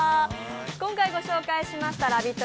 今回ご紹介しましたラヴィット！